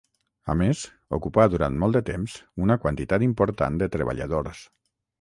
A més, ocupà durant molt de temps una quantitat important de treballadors.